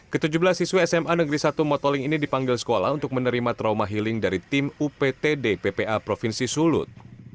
ke tujuh belas siswa sma negeri satu motoling ini dipanggil sekolah untuk menerima trauma healing dari tim uptd ppa provinsi sulut